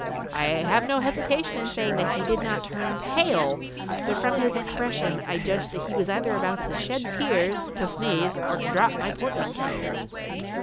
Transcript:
I have no hesitation in saying that he did not turn pale; but, from his expression, I judged that he was either about to shed tears, to sneeze, or to drop my portmanteau.